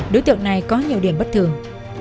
đối tượng này có nhiều điểm bất thường